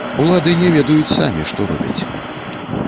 Улады не ведаюць самі, што робяць.